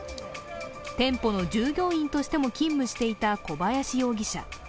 店舗の従業員としても勤務していた小林容疑者。